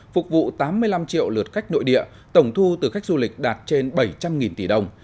phục vụ tám mươi năm triệu lượt khách nội địa tổng thu từ khách du lịch đạt trên bảy trăm linh tỷ đồng